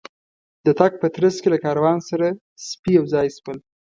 د تګ په ترڅ کې له کاروان سره سپي یو ځای شول.